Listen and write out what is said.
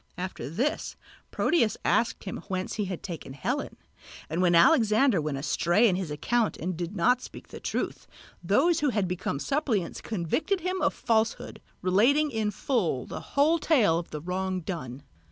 After this Proteus asked him whence he had taken Helen; and when Alexander went astray in his account and did not speak the truth, those who had become suppliants convicted him of falsehood, relating in full the whole tale of the wrong done.